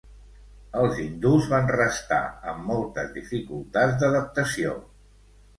Els hindús van restar amb moltes dificultats d'adaptació.